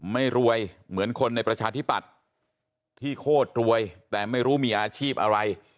ไม่รวยเหมือนคนในประชาธิปัตย์ที่โคตรรวยแต่ไม่รู้มีอาชีพอะไร